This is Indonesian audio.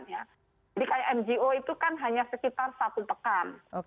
jadi kayak ngo itu kan hanya sekitar satu pekan